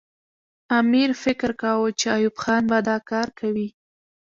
امیر فکر کاوه چې ایوب خان به دا کار کوي.